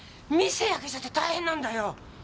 店焼けちゃって大変なんだよ。